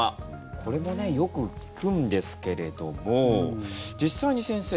これもよく聞くんですけれども実際に先生